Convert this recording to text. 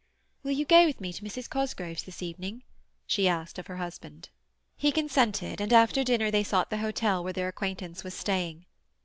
"Will you go with me to Mrs. Cosgrove's this evening?" she asked of her husband. He consented, and after dinner they sought the hotel where their acquaintance was staying.